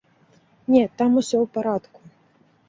Не, там усё у парадку.